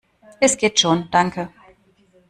Es geht schon, danke!